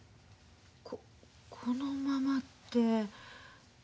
ここのままって。